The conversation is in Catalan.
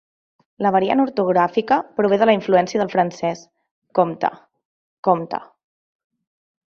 La variant ortogràfica prové de la influència del francès "compte" ("compte").